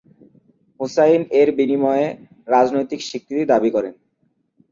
হুসাইন এর বিনিময়ে রাজনৈতিক স্বীকৃতি দাবি করেন।